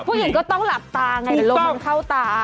ผู้หญิงก็ต้องหลับตาไงเดี๋ยวเรามันเข้าตา